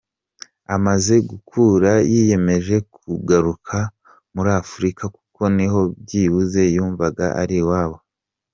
Amaze gukura yiyemeje kugaruka muri Afurika kuko niho byibuze yumvaga ari iwabo.